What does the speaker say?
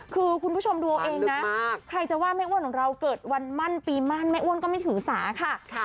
คือคุณผู้ชมดูเอาเองนะใครจะว่าแม่อ้วนของเราเกิดวันมั่นปีมั่นแม่อ้วนก็ไม่ถือสาค่ะ